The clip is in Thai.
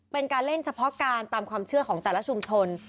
เป็นการเล่นเฉพาะการตามความเชื่อของแต่ละชุมชน